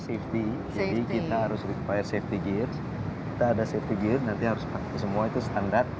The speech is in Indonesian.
safety jadi kita harus menggunakan gear keamanan kita ada gear keamanan nanti harus pakai semua itu standar